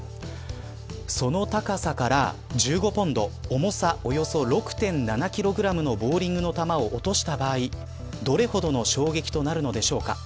その高さから１５ポンド、重さおよそ６．７キログラムのボウリングの球を落とした場合どれほどの衝撃となるのでしょうか。